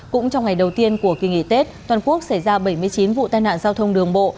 cũng trong ngày đầu tiên của kỳ nghỉ tết toàn quốc xảy ra bảy mươi chín vụ tai nạn giao thông đường bộ